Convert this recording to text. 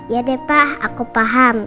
ya deh pa aku paham